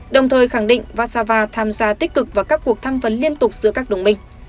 đồng thời khẳng định vasava tham gia tích cực vào các cuộc thăm vấn liên tục giữa các đồng minh